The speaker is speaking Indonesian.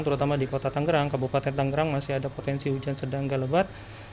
terutama di kota tanggerang kabupaten tanggerang masih ada potensi hujan sedang galap